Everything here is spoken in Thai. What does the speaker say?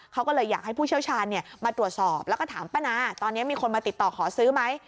เขาก็เลยอยากให้ผู้เชี่ยวชาญมาตรวจสอบแล้วก็ถามป้านาตอนนี้มีคนมาติดต่อขอซื้อไหม